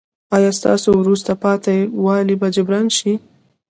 ایا ستاسو وروسته پاتې والی به جبران شي؟